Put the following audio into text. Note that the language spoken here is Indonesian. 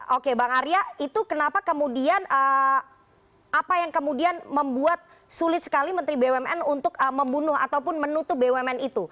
oke bang arya itu kenapa kemudian apa yang kemudian membuat sulit sekali menteri bumn untuk membunuh ataupun menutup bumn itu